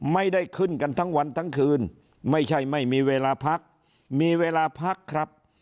ไม่ได้ขึ้นกันทั้งวันทั้งคืนไม่ใช่ไม่มีเวลาพักมีเวลาพักครับ